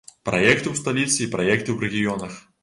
Праекты ў сталіцы і праекты ў рэгіёнах.